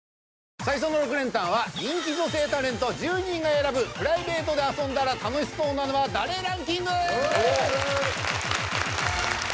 最初の６連単は人気女性タレント１０人にプライベートで遊んだら楽しそうなのは誰か調査。